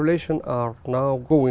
liên quan đến